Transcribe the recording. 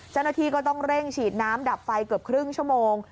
เจ้าหน้าที่ก็ต้องเร่งฉีดน้ำดับไฟเกือบครึ่งชั่วโมง